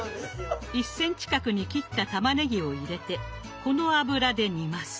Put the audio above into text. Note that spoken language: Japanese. １センチ角に切ったたまねぎを入れてこの油で煮ます。